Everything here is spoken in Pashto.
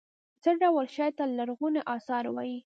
څه ډول شي ته لرغوني اثار وايي.